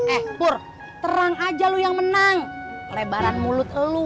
eh pur terang aja lo yang menang lebaran mulut elu